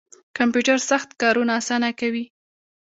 کمپیوټر سخت کارونه اسانه کوي